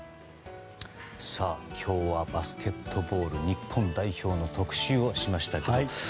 今日はバスケットボール日本代表の特集をしました。